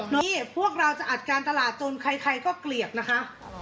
นี่พวกเราจะอัดการตลาดจนใครก็เกลียดนะคะ